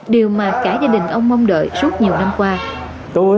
điều mà cả gia đình ông mong đợi suốt nhiều năm qua